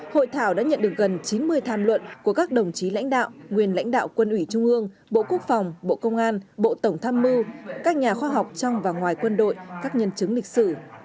hội thảo đã nhận được gần chín mươi tham luận của các đồng chí lãnh đạo nguyên lãnh đạo quân ủy trung ương bộ quốc phòng bộ công an bộ tổng tham mưu các nhà khoa học trong và ngoài quân đội các nhân chứng lịch sử